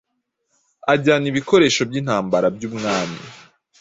ajyana ibikoresho byintambara byumwami